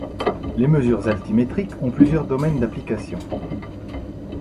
Les mesures altimétriques ont plusieurs domaines d'application.